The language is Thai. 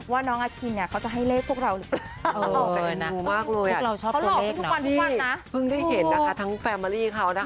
ว่าน้องอคิณเขาจะให้เล็กพวกเราเพิ่งได้เห็นนะคะทั้งแฟมีลี่เขานะคะ